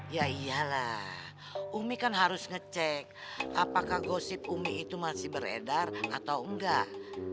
ya iyalah umi kan harus ngecek apakah gosip umi itu masih beredar atau enggak